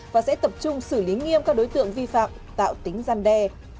và sẽ tập trung xử lý nghiêm các đối tượng vi phạm tạo tính gian đe